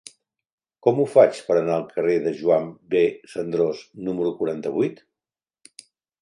Com ho faig per anar al carrer de Joan B. Cendrós número quaranta-vuit?